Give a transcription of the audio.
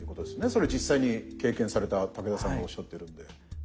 それ実際に経験された武田さんがおっしゃってるんで。